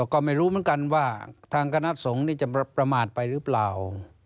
ก็ไม่รู้เหมือนกันว่าทางคณะสงฆ์นี่จะประมาทไปหรือเปล่า